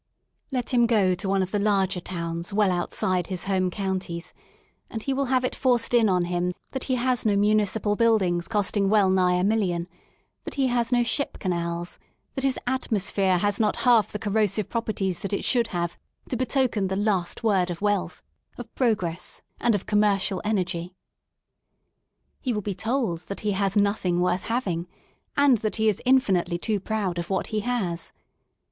Let him go to one of the larger towns well outside his Home Counties, and he will have it forced in on him that he has no municipal buildings costing well* nigh a million, that he has no ship canals, that his atmosphere has not half the corrosive properties that it should have to betoken the last word of wealth, of progress, and of commercial energy. He will be told that he has nothing worth having, and that he is in finitely too proud of what he has.